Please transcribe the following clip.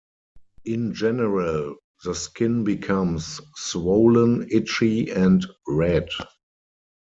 In general, the skin becomes swollen, itchy and red.